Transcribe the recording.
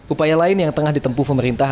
upaya lain yang tengah ditempuh pemerintah